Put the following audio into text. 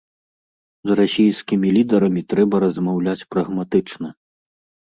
З расійскімі лідарамі трэба размаўляць прагматычна.